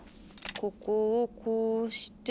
ここをこうして。